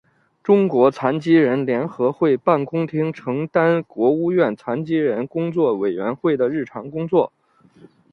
中国残疾人联合会办公厅承担国务院残疾人工作委员会的日常工作。